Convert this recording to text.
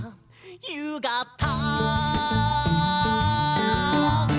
「ゆうがた！」